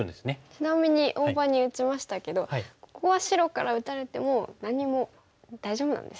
ちなみに大場に打ちましたけどここは白から打たれても何も大丈夫なんですよね？